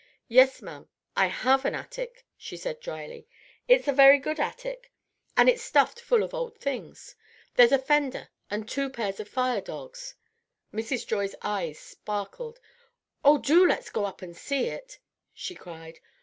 "Yes, ma'am, I have an attic," she said dryly. "It's a very good attic, and it's stuffed full of old things. There's a fender and two pairs of fire dogs " Mrs. Joy's eyes sparkled. "Oh, do let us go up and see it!" she cried.